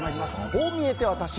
こう見えてワタシ。